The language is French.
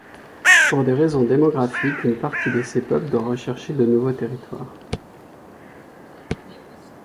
Pour des raisons démographiques, une partie de ces peuples doit rechercher de nouveaux territoires.